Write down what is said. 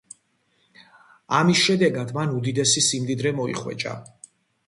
ამის შედეგად მან უდიდესი სიმდიდრე მოიხვეჭა.